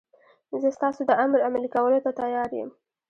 زه ستاسو د امر عملي کولو ته تیار یم.